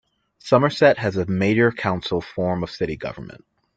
Somerset has a mayor-council form of city government.